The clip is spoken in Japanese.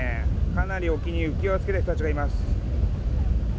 かなり沖に浮き輪を着けた人たちがいます。